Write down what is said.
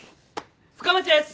深町です！